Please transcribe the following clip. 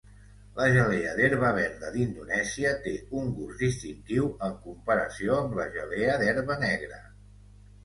La gelea d'herba verda d'Indonèsia té un gust distintiu en comparació amb la gelea d'herba negra.